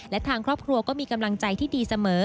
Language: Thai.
และทางครอบครัวก็มีกำลังใจที่ดีเสมอ